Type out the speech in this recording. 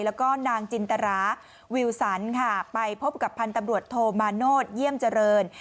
แล้วก็นางจินตราวิวสันค่ะไปพบกับพันธุ์ตำรวจโทมาโนธเยี่ยมเจริญ